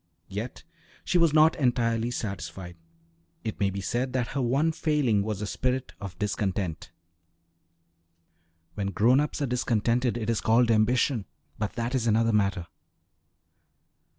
Yet she was not entirely satisfied; it may be said that her one failing was a spirit of discontent. When grown ups are discontented, it is called ambition; but that is another matter.